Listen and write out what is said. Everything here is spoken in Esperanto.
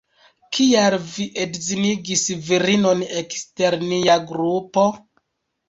Kial vi edzinigis virinon ekster nia grupo?